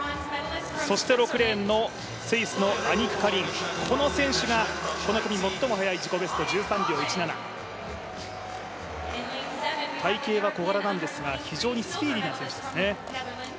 そして６レーンのスイスのアニク・カリン、この選手がこの組、最も速い自己ベスト１３秒１７体型は小柄なんですが、非常にスピーディーな選手ですね。